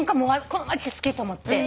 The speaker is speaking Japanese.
この町好きと思って。